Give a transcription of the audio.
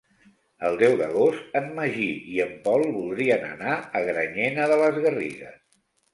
El deu d'agost en Magí i en Pol voldrien anar a Granyena de les Garrigues.